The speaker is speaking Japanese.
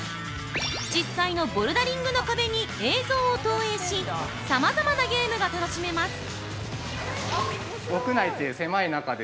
実際のボルダリングの壁に映像を投影しさまざまなゲームが楽しめます。